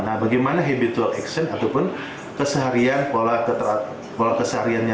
nah bagaimana habitual action ataupun keseharian pola kesehariannya